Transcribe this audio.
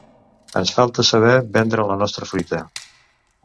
Ens falta saber vendre la nostra fruita.